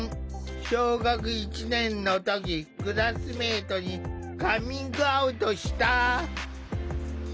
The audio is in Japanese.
小学１年の時クラスメートにカミングアウトした。